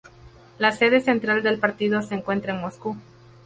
La sede central del partido se encuentra en Moscú.